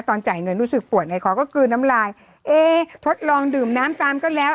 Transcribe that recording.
จ่ายเงินรู้สึกปวดในคอก็กลืนน้ำลายเอ๊ทดลองดื่มน้ำตามก็แล้ว